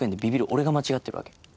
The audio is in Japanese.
俺が間違ってるわけ。